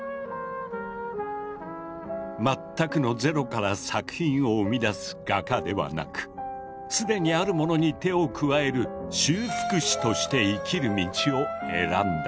全くのゼロから作品を生み出す「画家」ではなく既にあるものに手を加える「修復師」として生きる道を選んだのだ。